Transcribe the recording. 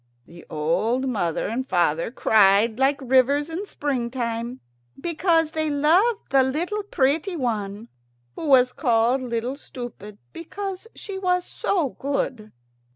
The old mother and father cried like rivers in springtime, because they loved the little pretty one, who was called Little Stupid because she was so good.